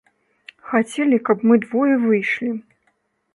Хацелі, каб мы двое выйшлі.